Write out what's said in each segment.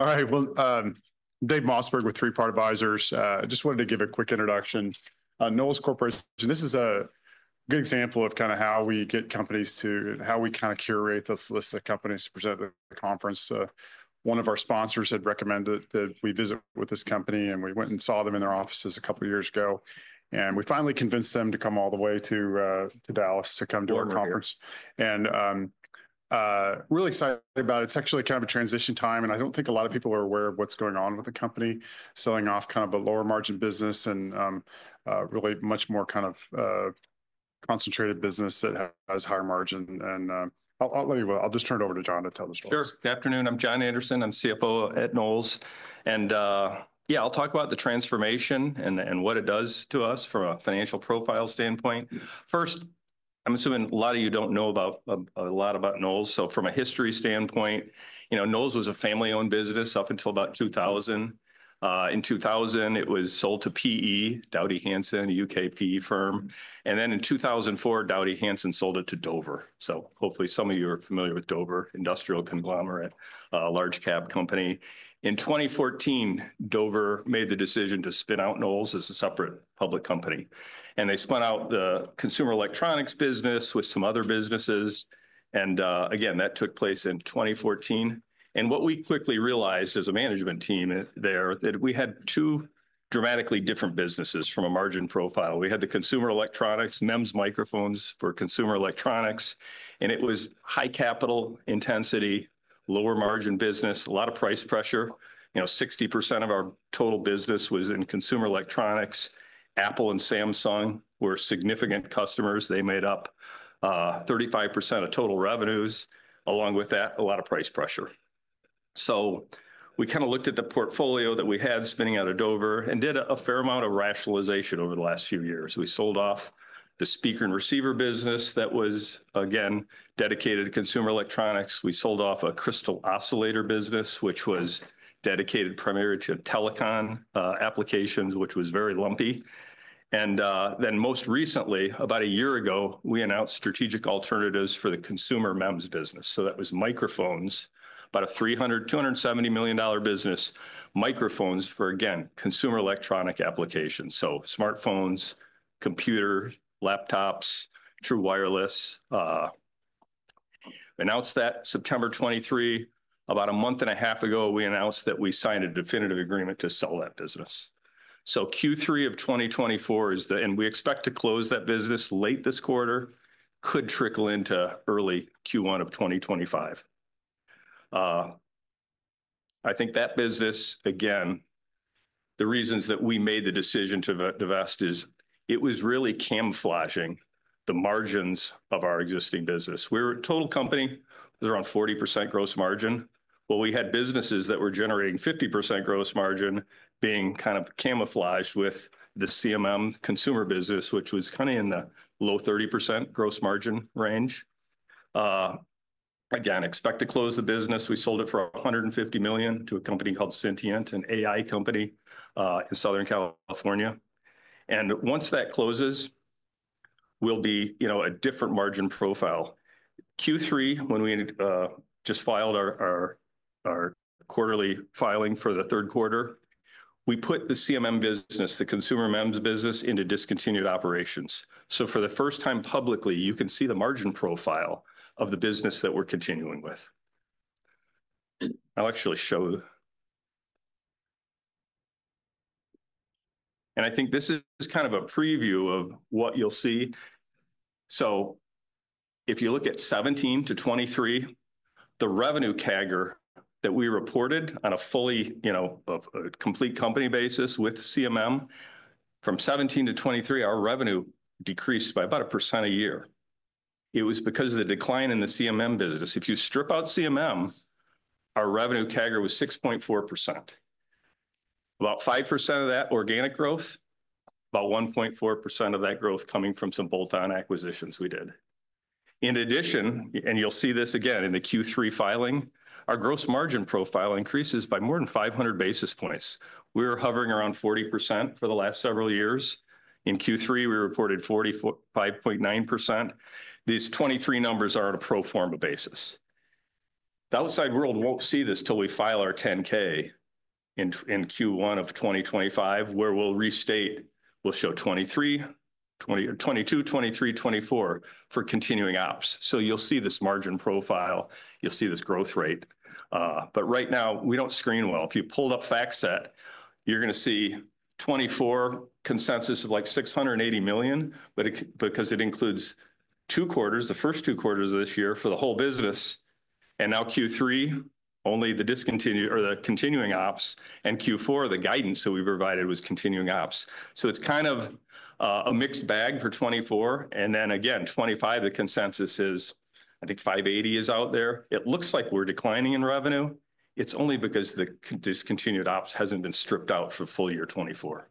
All right. Well, Dave Mossberg with Three Part Advisors just wanted to give a quick introduction. Knowles Corporation, this is a good example of kind of how we get companies to, how we kind of curate this list of companies to present at the conference. One of our sponsors had recommended that we visit with this company, and we went and saw them in their offices a couple of years ago, and we finally convinced them to come all the way to Dallas to come to our conference. Really excited about it. It's actually kind of a transition time, and I don't think a lot of people are aware of what's going on with the company, selling off kind of a lower margin business and really much more kind of a concentrated business that has higher margin. And, I'll let you. I'll just turn it over to John to tell the story. Sure. Good afternoon. I'm John Anderson. I'm CFO at Knowles. And, yeah, I'll talk about the transformation and what it does to us from a financial profile standpoint. First, I'm assuming a lot of you don't know about a lot about Knowles. So from a history standpoint, you know, Knowles was a family-owned business up until about 2000. In 2000, it was sold to PE, Doughty Hanson, a U.K. PE firm. And then in 2004, Doughty Hanson sold it to Dover. So hopefully some of you are familiar with Dover, industrial conglomerate, large cap company. In 2014, Dover made the decision to spin out Knowles as a separate public company, and they spun out the consumer electronics business with some other businesses. And, again, that took place in 2014. What we quickly realized as a management team there that we had two dramatically different businesses from a margin profile. We had the consumer electronics MEMS microphones for consumer electronics, and it was high capital intensity, lower margin business, a lot of price pressure. You know, 60% of our total business was in consumer electronics. Apple and Samsung were significant customers. They made up 35% of total revenues. Along with that, a lot of price pressure. So we kind of looked at the portfolio that we had spinning out of Dover and did a fair amount of rationalization over the last few years. We sold off the speaker and receiver business that was again dedicated to consumer electronics. We sold off a crystal oscillator business, which was dedicated primarily to telecom applications, which was very lumpy. Then most recently, about a year ago, we announced strategic alternatives for the consumer MEMS business. So that was microphones, about a $300 million- $270 million business, microphones for, again, consumer electronic applications. So smartphones, computer, laptops, true wireless. Announced that September 2023. About a month and a half ago, we announced that we signed a definitive agreement to sell that business. So Q3 of 2024 is the, and we expect to close that business late this quarter, could trickle into early Q1 of 2025. I think that business, again, the reasons that we made the decision to divest is it was really camouflaging the margins of our existing business. We were a total company. It was around 40% gross margin. We had businesses that were generating 50% gross margin being kind of camouflaged with the CMM consumer business, which was kind of in the low 30% gross margin range. Again, we expect to close the business. We sold it for $150 million to a company called Syntiant, an AI company, in Southern California. Once that closes, we'll be, you know, a different margin profile. Q3, when we just filed our quarterly filing for the third quarter, we put the CMM business, the consumer MEMS business, into discontinued operations. For the first time publicly, you can see the margin profile of the business that we're continuing with. I'll actually show. I think this is kind of a preview of what you'll see. So if you look at 2017 to 2023, the revenue CAGR that we reported on a fully, you know, a complete company basis with CMM, from 2017 to 2023, our revenue decreased by about 1% a year. It was because of the decline in the CMM business. If you strip out CMM, our revenue CAGR was 6.4%. About 5% of that organic growth, about 1.4% of that growth coming from some bolt-on acquisitions we did. In addition, and you'll see this again in the Q3 filing, our gross margin profile increases by more than 500 basis points. We were hovering around 40% for the last several years. In Q3, we reported 45.9%. These 2023 numbers are on a pro forma basis. The outside world won't see this till we file our 10-K in Q1 of 2025, where we'll restate, we'll show 2023, 2022, 2023, 2024 for continuing ops. So you'll see this margin profile, you'll see this growth rate. But right now we don't screen well. If you pull up FactSet, you're gonna see 2024 consensus of like $680 million, but it, because it includes two quarters, the first two quarters of this year for the whole business. And now Q3, only the discontinued or the continuing ops, and Q4 the guidance that we provided was continuing ops. So it's kind of a mixed bag for 2024. And then again, 2025, the consensus is, I think $580 million is out there. It looks like we're declining in revenue. It's only because the discontinued ops hasn't been stripped out for full-year 2024.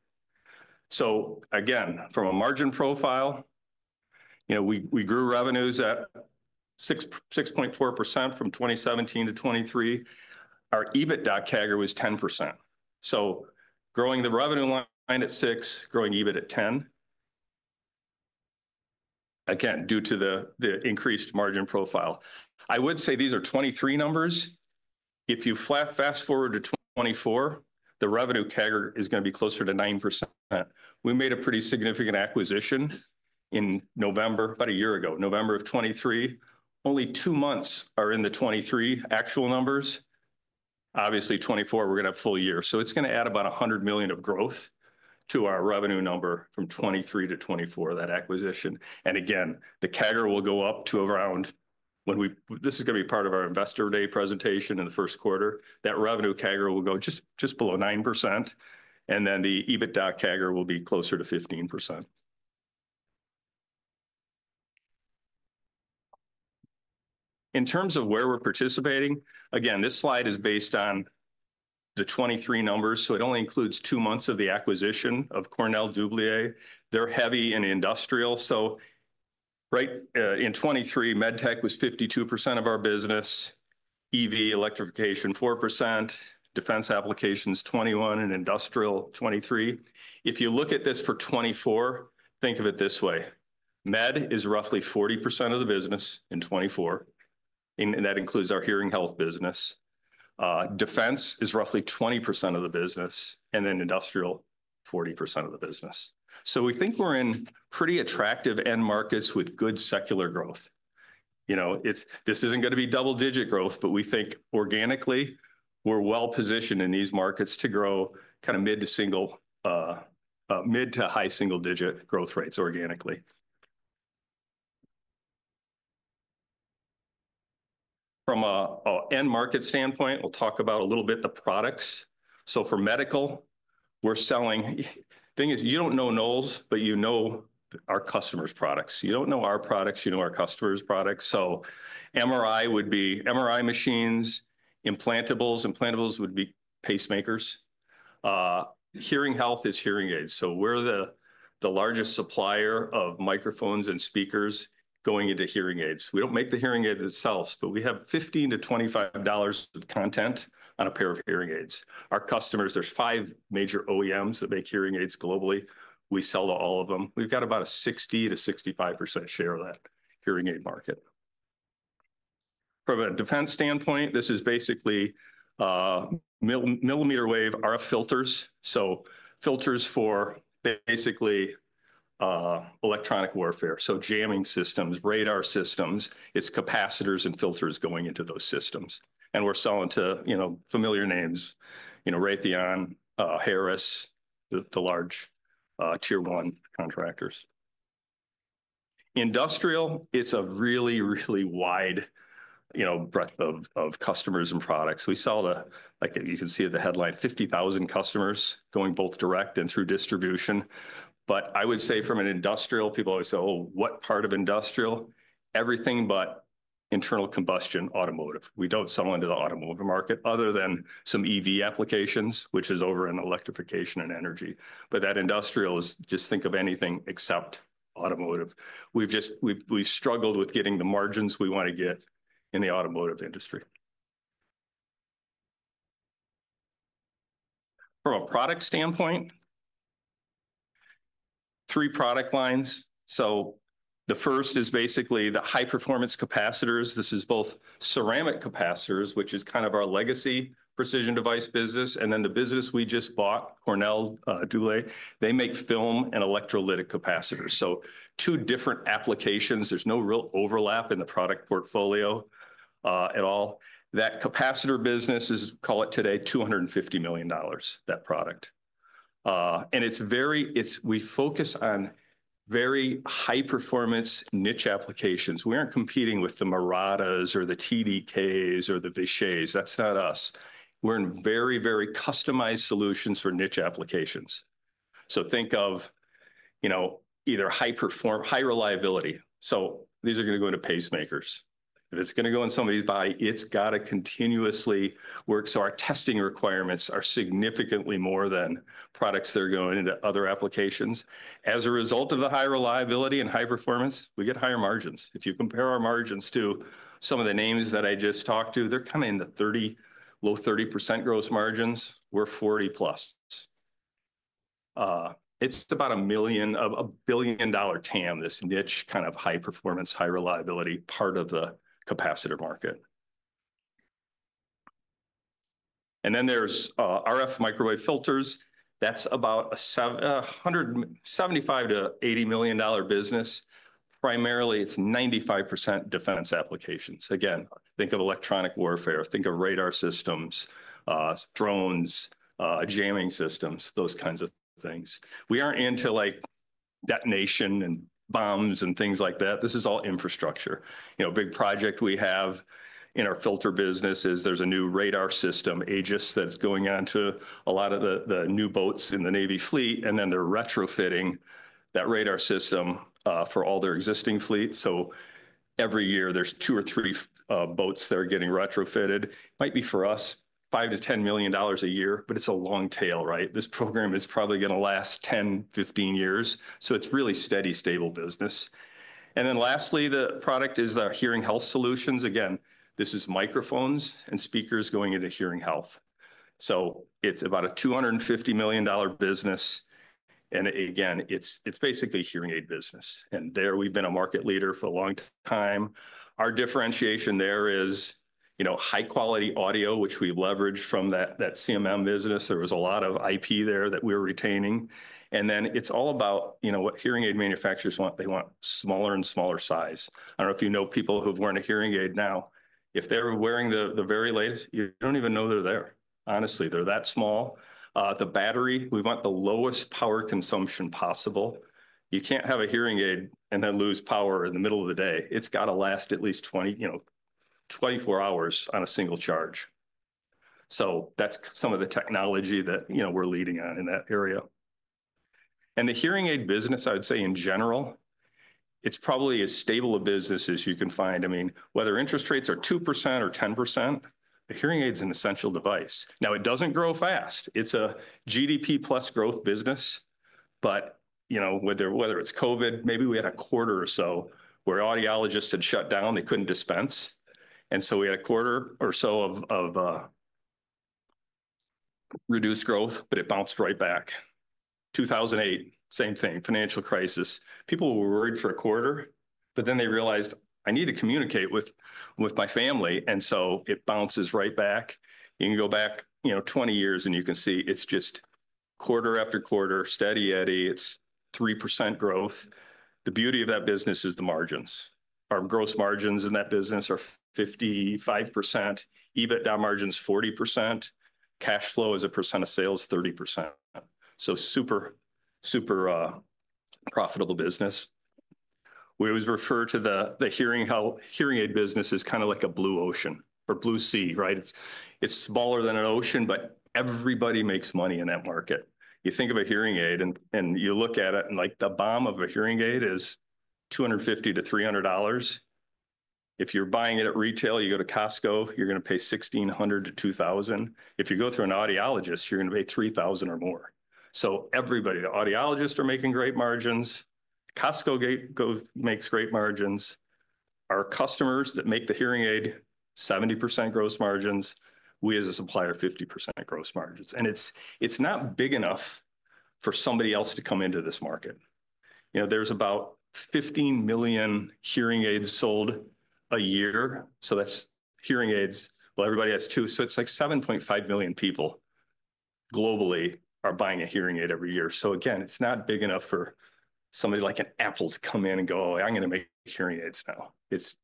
So again, from a margin profile, you know, we grew revenues at 6-6.4% from 2017 to 2023. Our EBITDA CAGR was 10%. So growing the revenue line at 6%, growing EBIT at 10%. Again, due to the increased margin profile. I would say these are 2023 numbers. If you just fast forward to 2024, the revenue CAGR is gonna be closer to 9%. We made a pretty significant acquisition in November, about a year ago, November of 2023. Only two months are in the 2023 actual numbers. Obviously, 2024, we're gonna have full year. So it's gonna add about $100 million of growth to our revenue number from 2023 to 2024, that acquisition. And again, the CAGR will go up to around when we, this is gonna be part of our investor day presentation in the first quarter, that revenue CAGR will go just, just below 9%. And then the EBITDA CAGR will be closer to 15%. In terms of where we're participating, again, this slide is based on the 2023 numbers. So it only includes two months of the acquisition of Cornell Dubilier. They're heavy in industrial. So right, in 2023, MedTech was 52% of our business. EV electrification 4%, defense applications 21%, and industrial 23%. If you look at this for 2024, think of it this way. Med is roughly 40% of the business in 2024. And that includes our hearing health business. Defense is roughly 20% of the business, and then industrial 40% of the business. So we think we're in pretty attractive end markets with good secular growth. You know, it's, this isn't gonna be double-digit growth, but we think organically we're well positioned in these markets to grow kind of mid- to high-single-digit growth rates organically. From a, a end market standpoint, we'll talk about a little bit the products. For medical, we're selling. Thing is you don't know Knowles, but you know our customers' products. You don't know our products, you know our customers' products. MRI would be MRI machines, implantables. Implantables would be pacemakers. Hearing health is hearing aids. We're the largest supplier of microphones and speakers going into hearing aids. We don't make the hearing aids itself, but we have $15-$25 of content on a pair of hearing aids. Our customers, there's five major OEMs that make hearing aids globally. We sell to all of them. We've got about a 60%-65% share of that hearing aid market. From a defense standpoint, this is basically millimeter-wave RF filters. Filters for basically electronic warfare. Jamming systems, radar systems, it's capacitors and filters going into those systems. And we're selling to, you know, familiar names, you know, Raytheon, Harris, the large tier one contractors. Industrial, it's a really wide, you know, breadth of customers and products. We sell to, like you can see at the headline, 50,000 customers going both direct and through distribution. But I would say from an industrial, people always say, "Oh, what part of industrial?" Everything but internal combustion automotive. We don't sell into the automotive market other than some EV applications, which is over in electrification and energy. But that industrial is just think of anything except automotive. We've just struggled with getting the margins we wanna get in the automotive industry. From a product standpoint, three product lines. So the first is basically the high performance capacitors. This is both ceramic capacitors, which is kind of our legacy precision device business, and then the business we just bought, Cornell Dubilier. They make film and electrolytic capacitors. So two different applications. There's no real overlap in the product portfolio, at all. That capacitor business is, call it today, $250 million, that product. And it's very, we focus on very high performance niche applications. We aren't competing with the Muratas or the TDKs or the Vishays. That's not us. We're in very, very customized solutions for niche applications. So think of, you know, either high perform, high reliability. So these are gonna go into pacemakers. If it's gonna go in somebody's body, it's gotta continuously work. So our testing requirements are significantly more than products that are going into other applications. As a result of the high reliability and high performance, we get higher margins. If you compare our margins to some of the names that I just talked to, they're kind of in the 30-low 30% gross margins. We're 40+. It's about a million of a billion dollar TAM, this niche kind of high performance, high reliability part of the capacitor market. And then there's RF microwave filters. That's about a seven, a $175 million-$180 million business. Primarily, it's 95% defense applications. Again, think of electronic warfare, think of radar systems, drones, jamming systems, those kinds of things. We aren't into like detonation and bombs and things like that. This is all infrastructure. You know, a big project we have in our filter business is there's a new radar system, Aegis, that's going onto a lot of the, the new boats in the Navy fleet, and then they're retrofitting that radar system for all their existing fleets. Every year there's two or three boats that are getting retrofitted. Might be for us $5 million-$10 million a year, but it's a long tail, right? This program is probably gonna last 10 years-15 years. So it's really steady, stable business. And then lastly, the product is the hearing health solutions. Again, this is microphones and speakers going into hearing health. So it's about a $250 million business. And again, it's basically hearing aid business. And there we've been a market leader for a long time. Our differentiation there is, you know, high quality audio, which we leverage from that CMM business. There was a lot of IP there that we were retaining. And then it's all about, you know, what hearing aid manufacturers want. They want smaller and smaller size. I don't know if you know people who've worn a hearing aid now. If they're wearing the very latest, you don't even know they're there. Honestly, they're that small. The battery, we want the lowest power consumption possible. You can't have a hearing aid and then lose power in the middle of the day. It's gotta last at least 20, you know, 24 hours on a single charge. So that's some of the technology that, you know, we're leading on in that area. And the hearing aid business, I would say in general, it's probably as stable a business as you can find. I mean, whether interest rates are 2% or 10%, the hearing aid's an essential device. Now, it doesn't grow fast. It's a GDP plus growth business. But, you know, whether it's COVID, maybe we had a quarter or so where audiologists had shut down, they couldn't dispense. And so we had a quarter or so of reduced growth, but it bounced right back. 2008, same thing, financial crisis. People were worried for a quarter, but then they realized, "I need to communicate with my family." And so it bounces right back. You can go back, you know, 20 years and you can see it's just quarter-after-quarter, steady eddy. It's 3% growth. The beauty of that business is the margins. Our gross margins in that business are 55%. EBITDA margin's 40%. Cash flow is 30% of sales. So super profitable business. We always refer to the hearing health, hearing aid business as kind of like a blue ocean or blue sea, right? It's smaller than an ocean, but everybody makes money in that market. You think of a hearing aid and you look at it and like the BOM of a hearing aid is $250-$300. If you're buying it at retail, you go to Costco, you're gonna pay $1,600-$2,000. If you go through an audiologist, you're gonna pay $3,000 or more. So everybody, the audiologists are making great margins. Costco goes, makes great margins. Our customers that make the hearing aid, 70% gross margins. We, as a supplier, 50% gross margins. And it's not big enough for somebody else to come into this market. You know, there's about 15 million hearing aids sold a year. So that's hearing aids. Well, everybody has two. So it's like 7.5 million people globally are buying a hearing aid every year. So again, it's not big enough for somebody like an Apple to come in and go, "Oh, I'm gonna make hearing aids now." It's,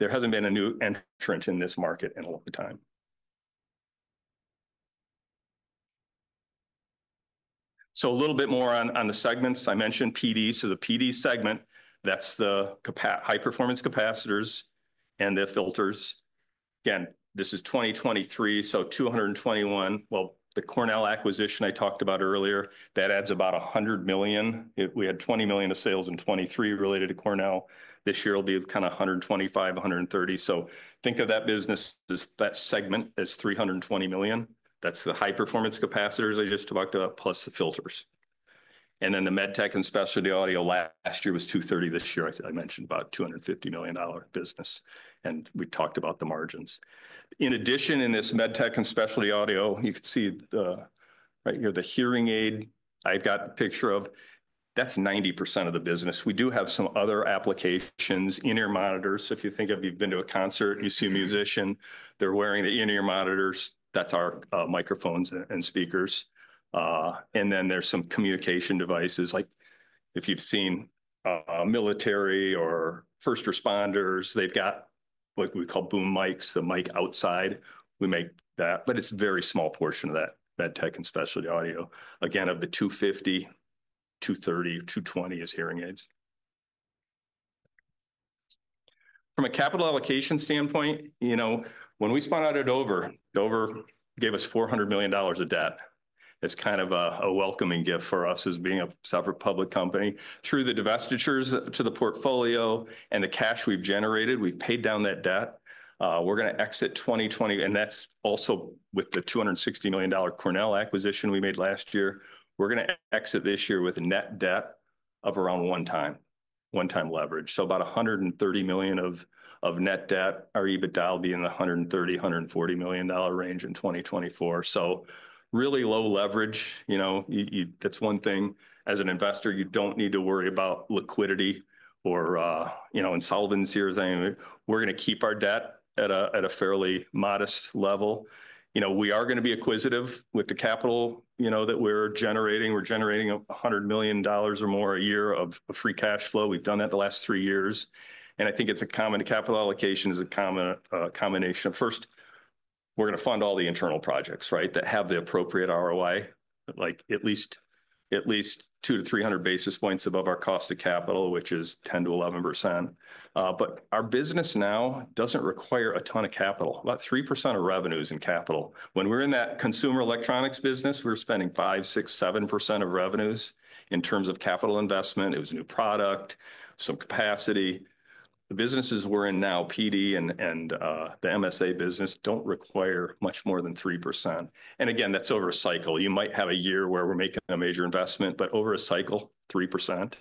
there hasn't been a new entrant in this market in a long time. A little bit more on, on the segments. I mentioned PD. So the PD segment, that's the capacitors high performance capacitors and the filters. Again, this is 2023. So $221 million. The Cornell acquisition I talked about earlier, that adds about $100 million. It, we had $20 million of sales in 2023 related to Cornell. This year it'll be kind of $125 million-$130 million. So think of that business as that segment is $320 million. That's the high performance capacitors I just talked about plus the filters. And then the MedTech and specialty audio last year was $230 million. This year, I mentioned about $250 million business. And we talked about the margins. In addition, in this MedTech and specialty audio, you can see the, right here, the hearing aid I've got a picture of. That's 90% of the business. We do have some other applications, in-ear monitors. So if you think of, you've been to a concert, you see a musician, they're wearing the in-ear monitors. That's our microphones and speakers. And then there's some communication devices. Like if you've seen military or first responders, they've got what we call boom mics, the mic outside. We make that, but it's a very small portion of that MedTech and specialty audio. Again, of the $250 million, $230 million, $220 million is hearing aids. From a capital allocation standpoint, you know, when we spun out at Dover, Dover gave us $400 million of debt. It's kind of a welcoming gift for us as being a separate public company. Through the divestitures to the portfolio and the cash we've generated, we've paid down that debt. We're gonna exit 2023, and that's also with the $260 million Cornell acquisition we made last year. We're gonna exit this year with net debt of around one time leverage. So about $130 million of net debt. Our EBITDA will be in the $130 million-$140 million range in 2024. So really low leverage, you know, you, that's one thing as an investor, you don't need to worry about liquidity or, you know, insolvency or thing. We're gonna keep our debt at a fairly modest level. You know, we are gonna be acquisitive with the capital, you know, that we're generating. We're generating $100 million or more a year of free cash flow. We've done that the last three years. And I think capital allocation is a common combination of first, we're gonna fund all the internal projects, right, that have the appropriate ROI, like at least 200 basis points-300 basis points above our cost of capital, which is 10%-11%. But our business now doesn't require a ton of capital. About 3% of revenues in capital. When we're in that consumer electronics business, we're spending 5%, 6%, 7% of revenues in terms of capital investment. It was a new product, some capacity. The businesses we're in now, PD and the MSA business don't require much more than 3%. And again, that's over a cycle. You might have a year where we're making a major investment, but over a cycle, 3%.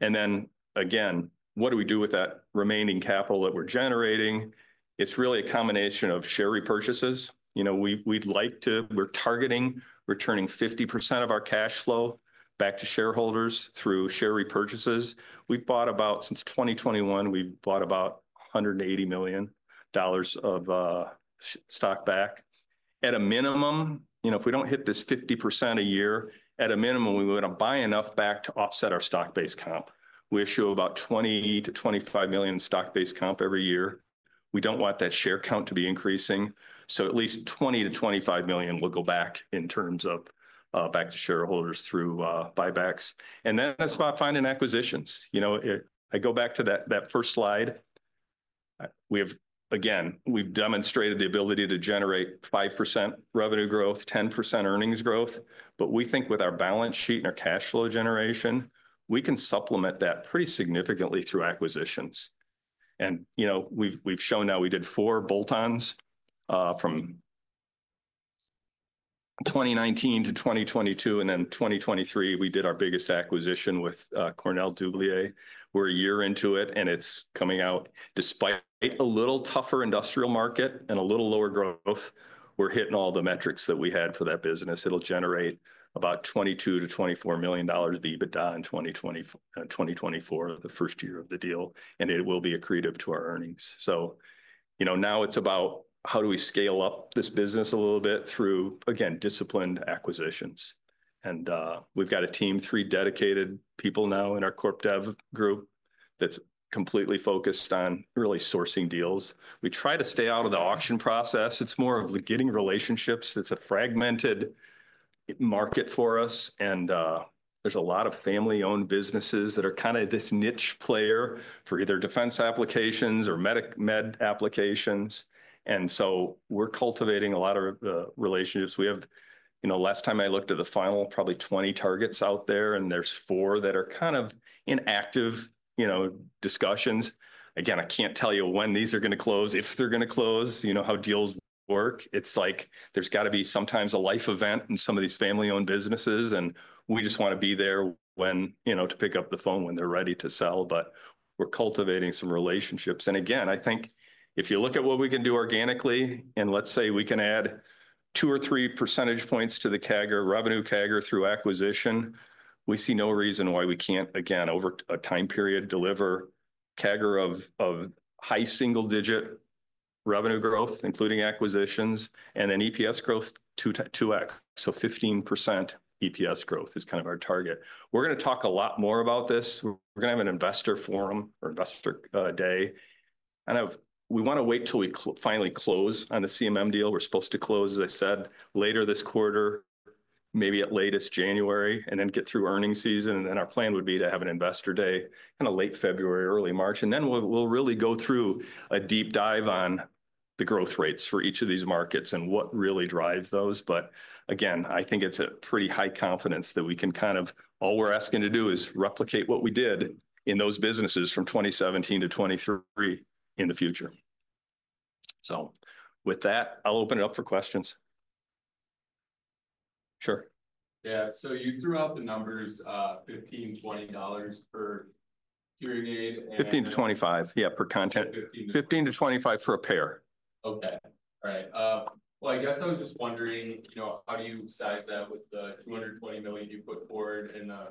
And then again, what do we do with that remaining capital that we're generating? It's really a combination of share repurchases. You know, we'd like to, we're targeting returning 50% of our cash flow back to shareholders through share repurchases. We bought about $180 million of stock back since 2021. At a minimum, you know, if we don't hit this 50% a year, we wanna buy enough back to offset our stock-based comp. We issue about $20 million-$25 million stock-based comp every year. We don't want that share count to be increasing. So at least $20 million-$25 million will go back in terms of back to shareholders through buybacks. And then that's about finding acquisitions. You know, I go back to that first slide. We have, again, we've demonstrated the ability to generate 5% revenue growth, 10% earnings growth. But we think with our balance sheet and our cash flow generation, we can supplement that pretty significantly through acquisitions. And you know, we've shown now we did four bolt-ons from 2019 to 2022. And then 2023, we did our biggest acquisition with Cornell Dubilier. We're a year into it and it's coming out despite a little tougher industrial market and a little lower growth. We're hitting all the metrics that we had for that business. It'll generate about $22 million-$24 million of EBITDA in 2024, the first year of the deal. And it will be accretive to our earnings. So, you know, now it's about how do we scale up this business a little bit through, again, disciplined acquisitions. And we've got a team, three dedicated people now in our Corp Dev group that's completely focused on really sourcing deals. We try to stay out of the auction process. It's more of the getting relationships. It's a fragmented market for us. There's a lot of family-owned businesses that are kind of this niche player for either defense applications or medical applications. So we're cultivating a lot of relationships. We have you know last time I looked at the final probably 20 targets out there and there's four that are kind of in active you know discussions. Again, I can't tell you when these are gonna close, if they're gonna close, you know how deals work. It's like there's gotta be sometimes a life event in some of these family-owned businesses and we just wanna be there when you know to pick up the phone when they're ready to sell. But we're cultivating some relationships. And again, I think if you look at what we can do organically and let's say we can add 2 or 3 percentage points to the CAGR, revenue CAGR through acquisition, we see no reason why we can't, again, over a time period deliver CAGR of high single-digit revenue growth, including acquisitions and then EPS growth 2x. So 15% EPS growth is kind of our target. We're gonna talk a lot more about this. We're gonna have an investor day. And we wanna wait till we finally close on the CMM deal. We're supposed to close, as I said, later this quarter, maybe at latest January, and then get through earnings season. And then our plan would be to have an investor day in late February, early March. Then we'll really go through a deep dive on the growth rates for each of these markets and what really drives those. Again, I think it's a pretty high confidence that we can kind of all we're asking to do is replicate what we did in those businesses from 2017 to 2023 in the future. With that, I'll open it up for questions. Sure. Yeah. You threw out the numbers, $15-$20 per hearing aid and 15-25, yeah, per content, $15-$25 for a pair. Okay. All right. I guess I was just wondering, you know, how do you size that with the $220 million you put forward and the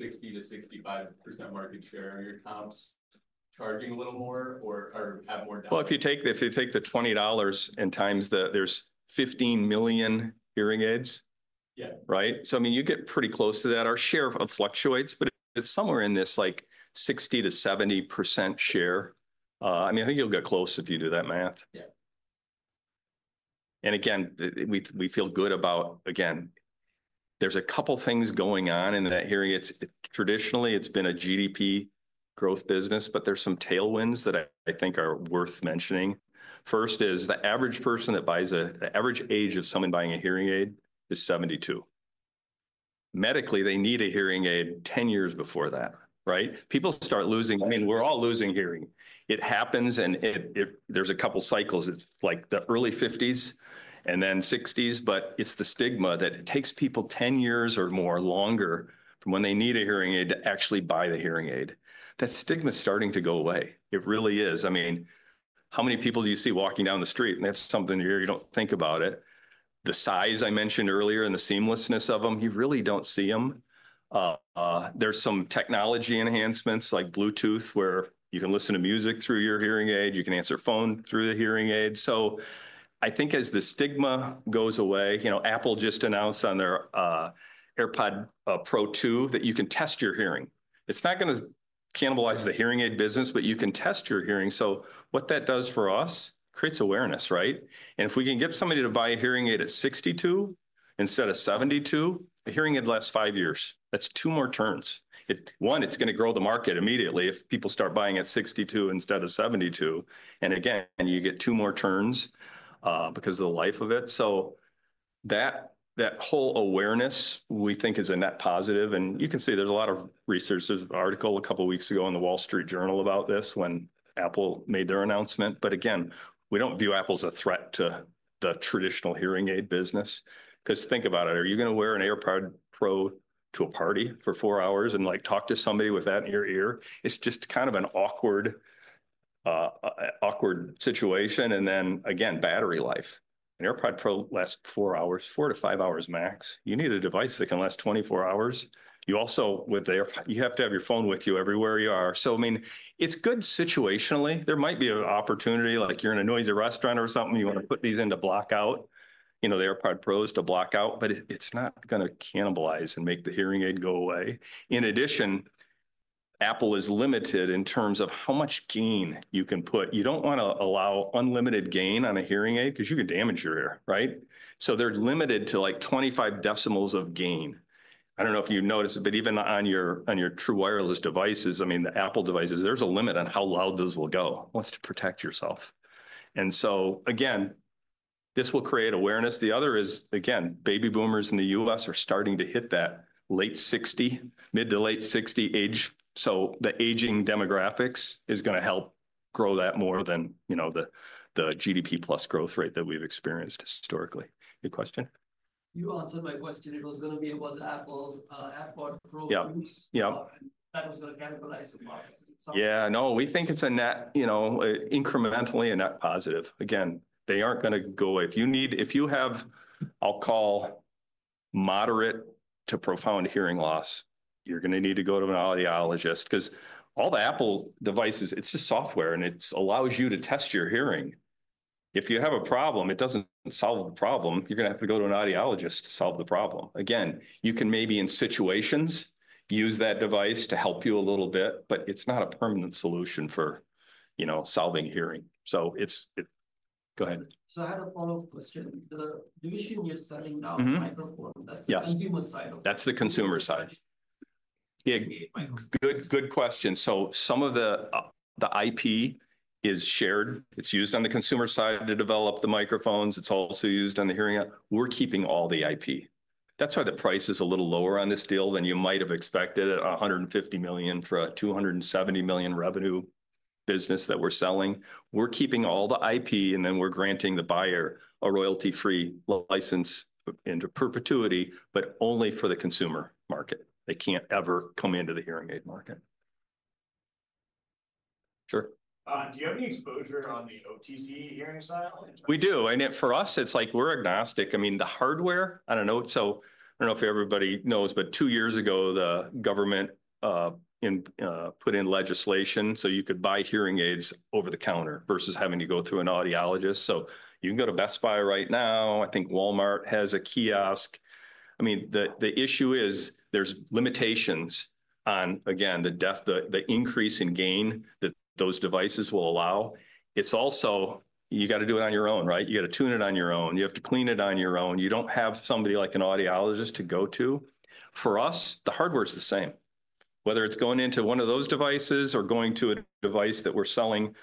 60%-65% market share of your comps charging a little more or have more down? If you take the $20 and times the, there's 15 million hearing aids. Yeah. Right. So, I mean, you get pretty close to that. Our share fluctuates, but it's somewhere in this like 60%-70% share. I mean, I think you'll get close if you do that math. Yeah. And again, we feel good about, again, there's a couple things going on in that hearing. It's traditionally been a GDP growth business, but there's some tailwinds that I think are worth mentioning. First is the average age of someone buying a hearing aid is 72. Medically, they need a hearing aid 10 years before that, right? People start losing, I mean, we're all losing hearing. It happens and there's a couple cycles. It's like the early 50s and then 60s, but it's the stigma that it takes people 10 years or more longer from when they need a hearing aid to actually buy the hearing aid. That stigma's starting to go away. It really is. I mean, how many people do you see walking down the street and they have something in your ear? You don't think about it. The size I mentioned earlier and the seamlessness of 'em, you really don't see 'em. There's some technology enhancements like Bluetooth where you can listen to music through your hearing aid. You can answer phone through the hearing aid. So I think as the stigma goes away, you know, Apple just announced on their AirPods Pro 2 that you can test your hearing. It's not gonna cannibalize the hearing aid business, but you can test your hearing. So what that does for us creates awareness, right? And if we can get somebody to buy a hearing aid at 62 instead of 72, a hearing aid lasts five years. That's two more turns. It's gonna grow the market immediately if people start buying at 62 instead of 72. And again, you get two more turns, because of the life of it. So that whole awareness we think is a net positive. And you can see there's a lot of research. There's an article a couple weeks ago in the Wall Street Journal about this when Apple made their announcement. But again, we don't view Apple as a threat to the traditional hearing aid business. 'Cause think about it. Are you gonna wear an AirPods Pro to a party for four hours and like talk to somebody with that in your ear? It's just kind of an awkward, awkward situation, and then again, battery life. An AirPods Pro lasts four hours, four to five hours max. You need a device that can last 24 hours. You also, with the AirPods, you have to have your phone with you everywhere you are. So, I mean, it's good situationally. There might be an opportunity, like you're in a noisy restaurant or something, you wanna put these into block out, you know, the AirPods Pro to block out, but it's not gonna cannibalize and make the hearing aid go away. In addition, Apple is limited in terms of how much gain you can put. You don't wanna allow unlimited gain on a hearing aid 'cause you can damage your ear, right? So they're limited to like 25 decibels of gain. I don't know if you've noticed, but even on your true wireless devices, I mean, the Apple devices, there's a limit on how loud those will go once to protect yourself, and so again, this will create awareness. The other is, again, baby boomers in the U.S. are starting to hit that late 60, mid to late 60 age, so the aging demographics is gonna help grow that more than, you know, the GDP plus growth rate that we've experienced historically. Good question. You answered my question. It was gonna be about the Apple, AirPods Pro. Yeah. Yeah. That was gonna cannibalize the market. Yeah. No, we think it's a net, you know, incrementally a net positive. Again, they aren't gonna go away. If you need, if you have, I'll call moderate to profound hearing loss, you're gonna need to go to an audiologist 'cause all the Apple devices, it's just software and it allows you to test your hearing. If you have a problem, it doesn't solve the problem. You're gonna have to go to an audiologist to solve the problem. Again, you can maybe in situations use that device to help you a little bit, but it's not a permanent solution for, you know, solving hearing. So it's, it, go ahead. So I had a follow-up question. The division you're selling now, microphone, that's the consumer side of it. That's the consumer side. Yeah. Good, good question. So some of the IP is shared. It's used on the consumer side to develop the microphones. It's also used on the hearing aid. We're keeping all the IP. That's why the price is a little lower on this deal than you might have expected at $150 million for a $270 million revenue business that we're selling. We're keeping all the IP and then we're granting the buyer a royalty-free license into perpetuity, but only for the consumer market. They can't ever come into the hearing aid market. Sure. Do you have any exposure on the OTC hearing aids? We do. And for us, it's like we're agnostic. I mean, the hardware, I don't know. So, I don't know if everybody knows, but two years ago, the government put in legislation so you could buy hearing aids over the counter versus having to go through an audiologist. So you can go to Best Buy right now. I think Walmart has a kiosk. I mean, the issue is there's limitations on, again, the depth, the increase in gain that those devices will allow. It's also, you gotta do it on your own, right? You gotta tune it on your own. You have to clean it on your own. You don't have somebody like an audiologist to go to. For us, the hardware's the same. Whether it's going into one of those devices or going to a device that we're selling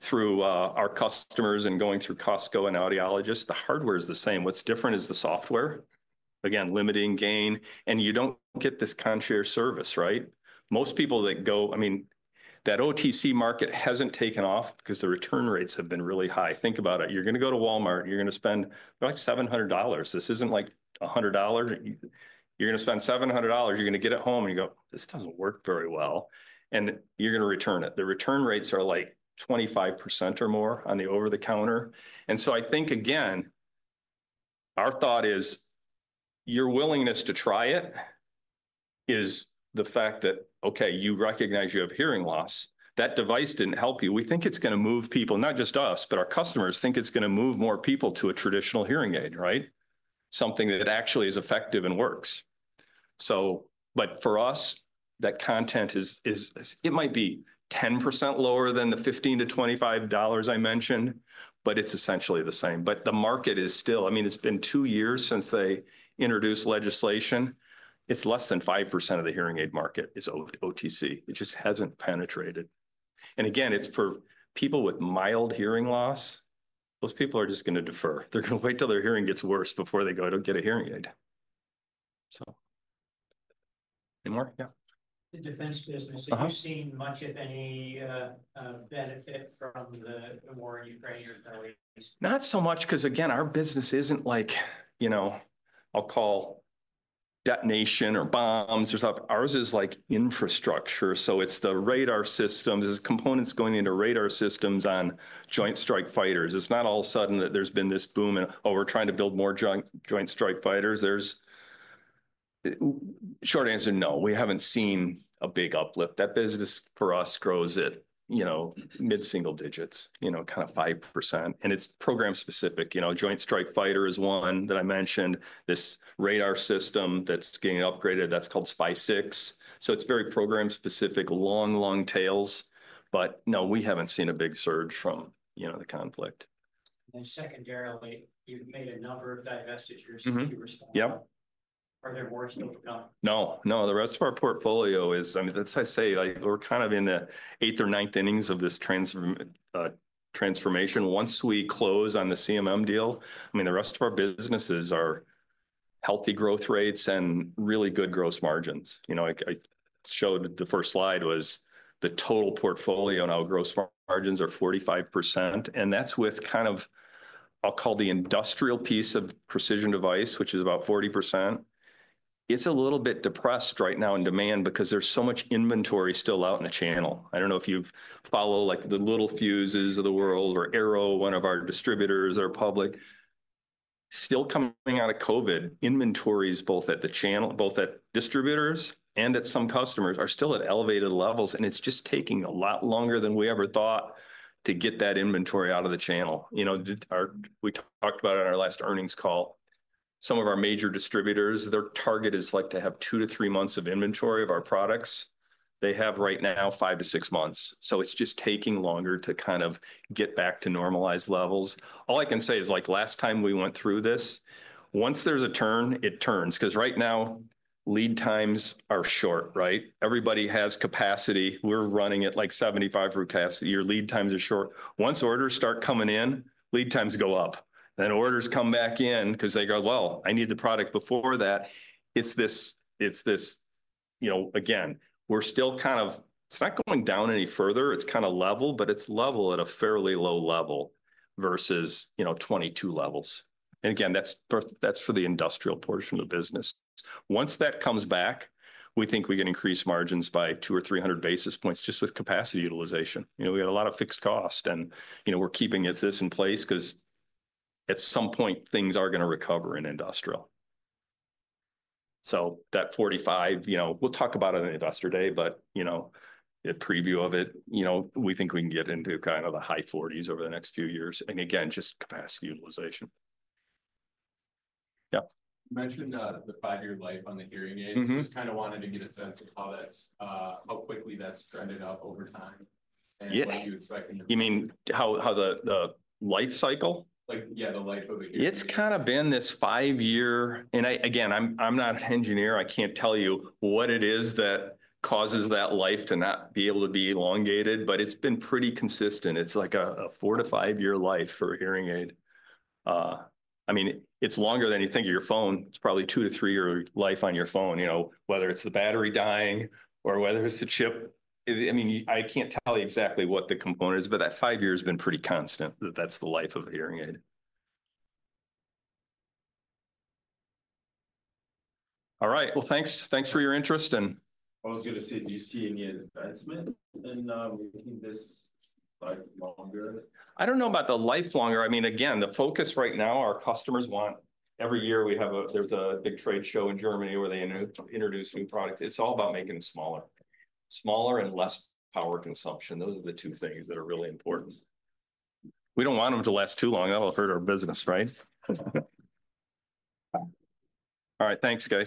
through, our customers and going through Costco and audiologists, the hardware's the same. What's different is the software. Again, limiting gain. And you don't get this concierge service, right? Most people that go, I mean, that OTC market hasn't taken off because the return rates have been really high. Think about it. You're gonna go to Walmart, you're gonna spend like $700. This isn't like $100. You're gonna spend $700, you're gonna get it home and you go, this doesn't work very well, and you're gonna return it. The return rates are like 25% or more on the over-the-counter. And so I think, again, our thought is your willingness to try it is the fact that, okay, you recognize you have hearing loss. That device didn't help you. We think it's gonna move people, not just us, but our customers think it's gonna move more people to a traditional hearing aid, right? Something that actually is effective and works. So but for us, that content is, it might be 10% lower than the $15-$25 I mentioned, but it's essentially the same. But the market is still, I mean, it's been two years since they introduced legislation. It's less than 5% of the hearing aid market is OTC. It just hasn't penetrated. Again, it's for people with mild hearing loss. Those people are just gonna defer. They're gonna wait till their hearing gets worse before they go to get a hearing aid. Any more? Yeah. The defense business, have you seen much, if any, benefit from the war in Ukraine or the Middle East? Not so much. 'Cause again, our business isn't like, you know, I'll call detonation or bombs or something. Ours is like infrastructure. So it's the radar systems. It's components going into radar systems on Joint Strike Fighters. It's not all of a sudden that there's been this boom and, oh, we're trying to build more Joint Strike Fighters. The short answer, no, we haven't seen a big uplift. That business for us grows at, you know, mid-single digits, you know, kind of 5%. And it's program specific, you know. Joint Strike Fighter is one that I mentioned. This radar system that's getting upgraded, that's called SPY-6. So it's very program specific, long, long tails. But no, we haven't seen a big surge from, you know, the conflict. And then secondarily, you've made a number of divestitures since you responded. Yep. Are there more still to come? No, no. The rest of our portfolio is, I mean, that's why I say, like, we're kind of in the eighth or ninth innings of this transfer, transformation. Once we close on the CMM deal, I mean, the rest of our businesses are healthy growth rates and really good gross margins. You know, I showed the first slide was the total portfolio and our gross margins are 45%. And that's with kind of, I'll call the industrial piece of Precision Devices, which is about 40%. It's a little bit depressed right now in demand because there's so much inventory still out in the channel. I don't know if you follow like the Littelfuse of the world or Arrow, one of our distributors, are public still coming out of COVID inventories, both at the channel, both at distributors and at some customers are still at elevated levels. And it's just taking a lot longer than we ever thought to get that inventory out of the channel. You know, our, we talked about it on our last earnings call. Some of our major distributors, their target is like to have two to three months of inventory of our products. They have right now five to six months. So it's just taking longer to kind of get back to normalized levels. All I can say is like last time we went through this, once there's a turn, it turns. 'Cause right now lead times are short, right? Everybody has capacity. We're running at like 75% capacity. Your lead times are short. Once orders start coming in, lead times go up. Then orders come back in 'cause they go, well, I need the product before that. It's this, it's this, you know, again, we're still kind of, it's not going down any further. It's kind of level, but it's level at a fairly low level versus, you know, 2022 levels, and again, that's for, that's for the industrial portion of the business. Once that comes back, we think we can increase margins by 200 or 300 basis points just with capacity utilization. You know, we got a lot of fixed cost and, you know, we're keeping it in place 'cause at some point things are gonna recover in industrial. So that 45, you know, we'll talk about it on the investor day, but you know, the preview of it, you know, we think we can get into kind of the high 40s over the next few years. And again, just capacity utilization. Yeah. You mentioned the, the five-year life on the hearing aid. Mm-hmm. Just kind of wanted to get a sense of how that's, how quickly that's trended up over time. And what you expect in the, you mean how, how the, the life cycle? Like, yeah, the life of a hearing aid. It's kind of been this five-year, and I, again, I'm not an engineer. I can't tell you what it is that causes that life to not be able to be elongated, but it's been pretty consistent. It's like a four- to five-year life for a hearing aid. I mean, it's longer than you think of your phone. It's probably two- to three-year life on your phone, you know, whether it's the battery dying or whether it's the chip. I mean, I can't tell you exactly what the component is, but that five-year has been pretty constant that that's the life of a hearing aid. All right. Well, thanks for your interest and. I was gonna say, do you see any advancement in making this life longer? I don't know about the life longer. I mean, again, the focus right now, our customers want every year we have a, there's a big trade show in Germany where they introduce new products. It's all about making them smaller, smaller and less power consumption. Those are the two things that are really important. We don't want 'em to last too long. That'll hurt our business, right? All right. Thanks, guys.